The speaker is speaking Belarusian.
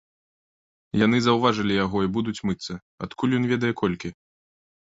Яны заўважылі яго і будуць мыцца, адкуль ён ведае колькі?